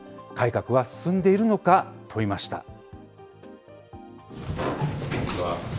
改革は進んでいるのか、問いました。